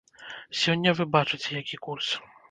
Сёння, вы бачыце, які курс.